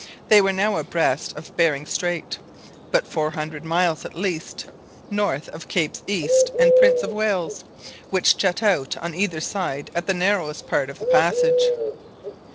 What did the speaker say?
They were now abreast of Behring Strait, but four hundred miles at least north of Capes East and Prince of Wales, which jut out on either side at the narrowest part of the passage.